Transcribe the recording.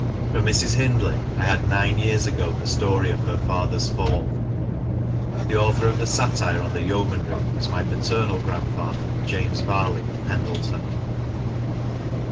From Miss Hindley I had nine years ago the story of her father's fall. The author of the satire on the yeomanry was my paternal grandfather, James Varley, of Pendleton.